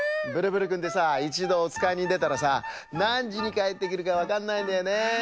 ブルブルくんってさいちどおつかいにでたらさなんじにかえってくるかわかんないんだよね！